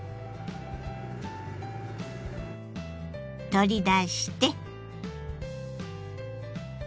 取り出して。